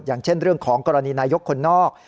อย่างเช่นเรื่องของกรณีนายกคนนอก